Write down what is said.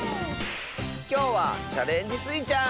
きょうは「チャレンジスイちゃん」！